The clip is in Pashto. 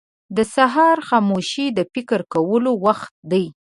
• د سهار خاموشي د فکر کولو وخت دی.